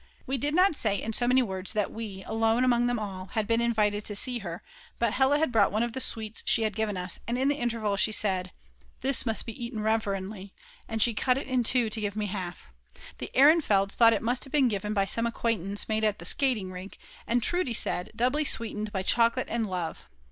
We did not say in so many words that we, alone among them all, had been invited to see her, but Hella had brought one of the sweets she had given us and in the interval she said: This must be eaten reverently, and she cut it in two to give me half. The Ehrenfelds thought it must have been given by some acquaintance made at the skating rink, and Trude said: "Doubly sweetened, by chocolate and love."